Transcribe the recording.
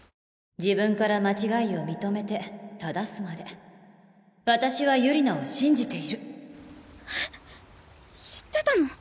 自分から間違いを認めて正すまで私はゆり菜を信じているえ知ってたの！？